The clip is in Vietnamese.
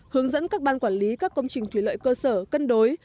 hướng dẫn các ban quản lý các công trình thủy lợi cơ sở cân đối